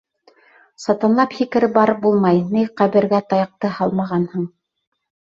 Сатанлап һикереп барып булмай, ней ҡәбергә таяҡты һалмағанһың.